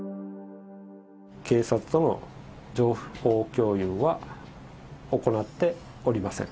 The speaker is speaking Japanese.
警察との情報共有は行っておりません。